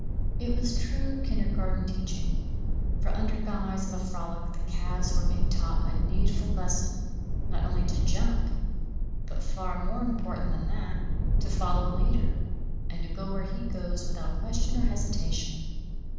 It was true kindergarten teaching; for under guise of a frolic the calves were being taught a needful lesson, not only to jump, but, far more important than that, to follow a leader, and to go where he goes without question or hesitation.